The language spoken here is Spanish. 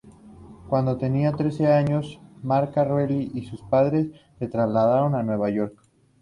Cuando tenía trece años, Marca-Relli y sus padres se trasladaron a Nueva York.